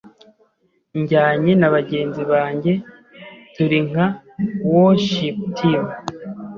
njyanye na bagenzi banjye turi nka worship team